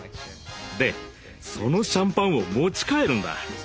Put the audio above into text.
でそのシャンパンを持ち帰るんだ。